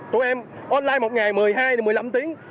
tụi em online một ngày một mươi hai một mươi năm tiếng